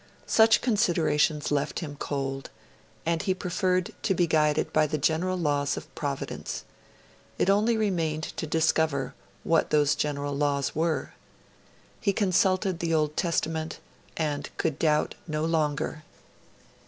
Such considerations left him cold, and he preferred to be guided by the general laws of Providence. It only remained to discover what those general laws were. He consulted the Old Testament, and could doubt no longer.